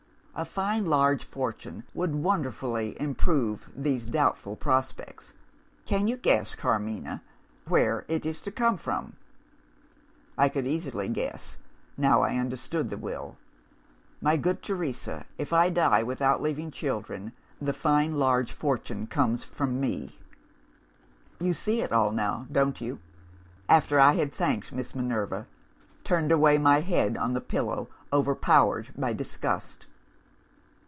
A fine large fortune would wonderfully improve these doubtful prospects can you guess, Carmina, where it is to come from?' I could easily guess, now I understood the Will. My good Teresa, if I die without leaving children, the fine large fortune comes from Me. "You see it all now don't you? After I had thanked Miss Minerva, turned away my head on the pillow overpowered by disgust.